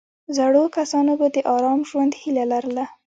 زړو کسانو به د آرام ژوند هیله لرله.